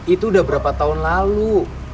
itu udah berapa tahun lalu